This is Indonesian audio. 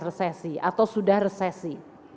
resesi atau sudah resesi